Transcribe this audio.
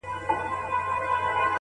• د مېړه يا ترپ دى يا خرپ ,